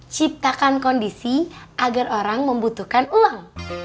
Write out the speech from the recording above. ciptakan kondisi agar orang membutuhkan uang